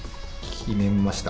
決めました。